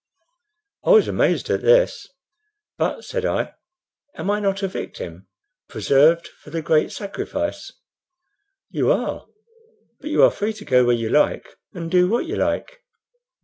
I was amazed at this. "But," said I, "am I not a victim preserved for the great sacrifice?" "You are; but you are free to go where you like, and do what you like.